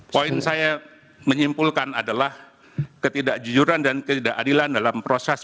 poin saya menyimpulkan adalah ketidakjujuran dan ketidakadilan dalam proses